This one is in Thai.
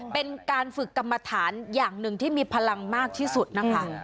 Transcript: เป็นการฝึกกรรมฐานอย่างหนึ่งที่มีพลังมากที่สุดนะคะ